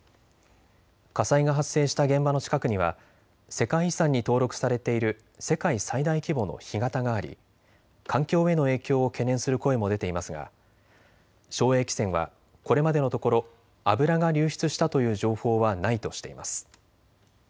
火災が発生した現場の近くには世界遺産に登録されている世界最大規模の干潟があり環境への影響を懸念する声も出ていますが正栄汽船はこれまでのところ油が流出したという情報はないとしています。